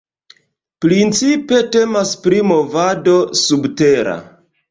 Principe temas pri movado "subtera".